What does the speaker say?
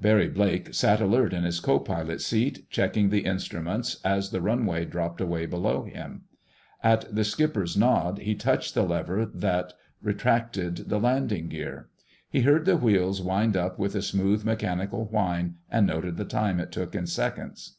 Barry Blake sat alert in his co pilot's seat, checking the instruments, as the runway dropped away below him. At the skipper's nod, he touched the lever that retracted the landing gear. He heard the wheels wind up with a smooth mechanical whine, and noted the time it took in seconds.